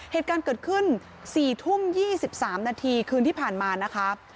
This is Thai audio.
เหตุการณ์เกิดขึ้น๔ทุ่ม๒๓นาทีคืนที่ผ่านมานะคะ